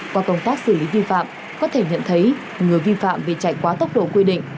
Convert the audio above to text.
qua công tác xử lý vi phạm có thể nhận thấy người vi phạm vì chạy quá tốc độ quy định